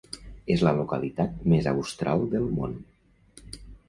És la localitat més austral del món.